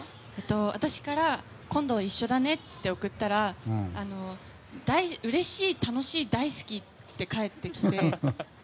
私から今度一緒だねって送ったらうれしい、楽しい、大好きって返ってきて。